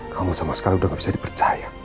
kamu sama sekali udah gak bisa dipercaya